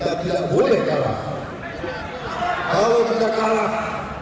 kalau kita kalah negara ini bisa punah